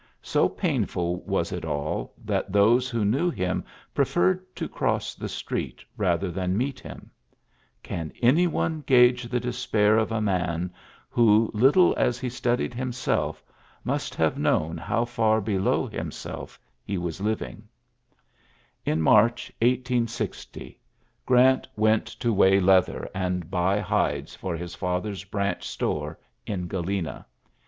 So painful was it all that those who knew him preferred to cross the street rather than meet him. Can any one gauge the despair of a man who, little as he stud ied himself, must have known how far below himself he was living t Li March, 1860, Grant went to weigh AAuioAy v;oi! 30 ULYSSES S. GEAOT? leather and buy hides for his &mi branch store in Galena.